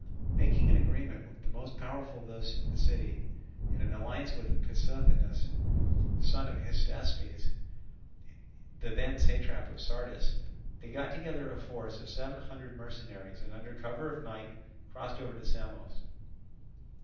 Making an agreement with the most powerful of those in the city, and an alliance with Pissuthnes, son of Hystaspes, the then satrap of Sardis, they got together a force of seven hundred mercenaries, and under cover of night crossed over to Samos.